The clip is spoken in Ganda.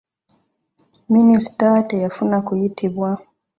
Minisita teyafuna kuyitibwa.